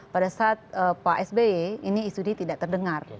pada saat pak sby ini isu ini tidak terdengar